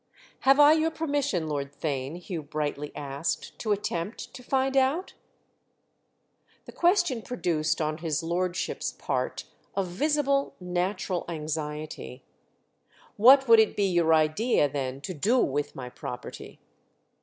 "Have I your permission, Lord Theign," Hugh brightly asked, "to attempt to find out?" The question produced on his lordship's part a visible, a natural anxiety. "What would it be your idea then to do with my property?"